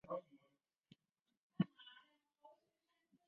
现在任教于普林斯顿大学物理系。